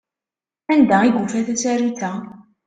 Anda i yufa tasarut-a?